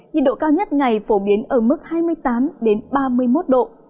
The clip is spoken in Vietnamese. nhiệt độ cao nhất ngày phổ biến ở mức hai mươi tám ba mươi một độ